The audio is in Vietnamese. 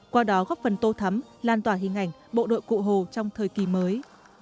qua đó góp phần tô thắm lan tỏa hình ảnh bộ đội cụ hồ trong thời kỳ mới